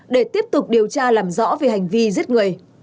để tiếp tục điều tra làm rõ về hành vi giết người